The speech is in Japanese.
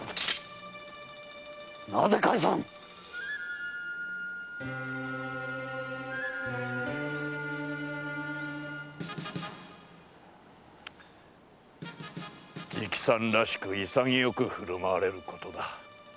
なぜ返さぬ⁉直参らしく潔く振る舞われることだ。